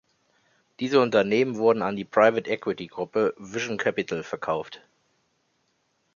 Diese Unternehmen wurden an die Private-Equity-Gruppe Vision Capital verkauft.